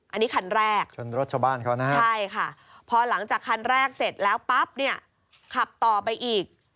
อันนี้คันแรกใช่ค่ะพอหลังจากคันแรกเสร็จแล้วปั๊บเนี่ยขับต่อไปอีก